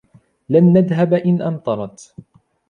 لن نذهب إن أمطرت.